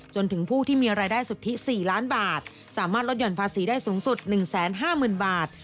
จนถึงผู้ที่มีรายได้สุทธิ๔ล้านบาทสามารถลดหย่อนภาษีได้สูงสุด๑๕๐๐๐บาท